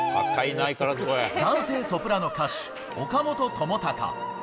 男性ソプラノ歌手、岡本知高。